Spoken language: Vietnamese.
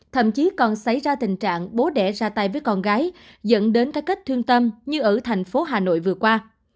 thậm chí còn xảy ra tình trạng bố đẻ ra tay với con gái dẫn đến các kết thương tâm như ở tp hcm vừa qua